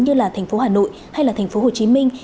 như là thành phố hà nội hay là thành phố hồ chí minh